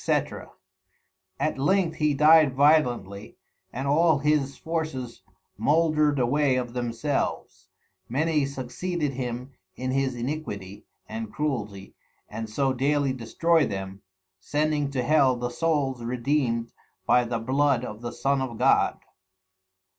_ At length he died violently, and all his Forces moldred away of themselves, many succeeded him in his iniquity and cruelty and so dayly destroy them, sending to Hell the Souls redeemed by the blood of the Son of God.